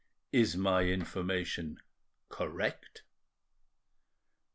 Is my information correct?"